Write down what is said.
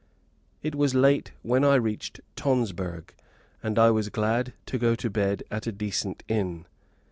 It was late when I reached Tonsberg, and I was glad to go to bed at a decent inn.